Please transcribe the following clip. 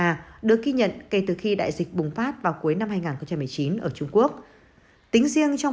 nga được ghi nhận kể từ khi đại dịch bùng phát vào cuối năm hai nghìn một mươi chín ở trung quốc tính riêng trong